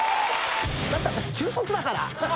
だって私中卒だから。